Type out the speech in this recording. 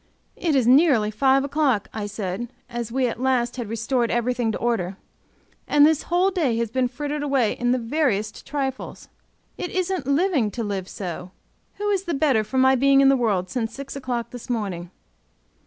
"It is nearly five o'clock," I said, as we at last had restored everything to order, "and this whole day has been frittered away in the veriest trifles. It isn't living to live so. Who is the better for my being in the world since six o'clock this morning?"